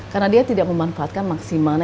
karena dia tidak memanfaatkan maksimal